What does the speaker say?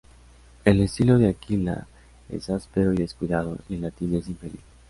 El estilo de Aquila es áspero y descuidado, y el latín es inferior.